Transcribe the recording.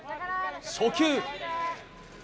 初球。